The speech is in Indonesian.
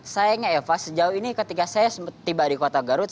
sayangnya eva sejauh ini ketika saya tiba di kota garut